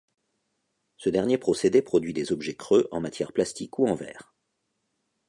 Ce dernier procédé produit des objets creux en matière plastique ou en verre.